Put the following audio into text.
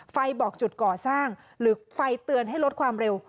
บอกจุดก่อสร้างหรือไฟเตือนให้ลดความเร็ว